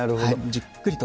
じっくりと。